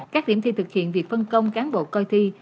các điểm thi thực hiện việc phân công cán bộ coi thi